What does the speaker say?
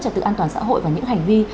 trật tự an toàn xã hội và những hành vi